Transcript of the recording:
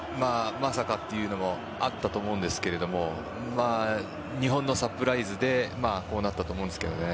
まさかというのもあったと思うんですけど日本のサプライズでこうなったと思うんですけどね。